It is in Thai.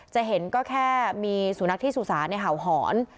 จะเห็นก็แค่มีสู่นักที่สู่ศาลในเหาหอน